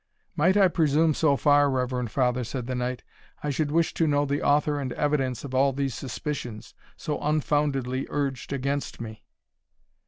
"Might I presume so far, reverend father," said the knight, "I should wish to know the author and evidence of all these suspicions, so unfoundedly urged against me?"